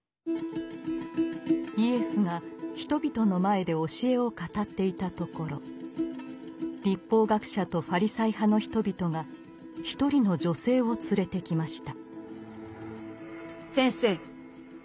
イエスが人々の前で教えを語っていたところ律法学者とファリサイ派の人々が一人の女性を連れてきました。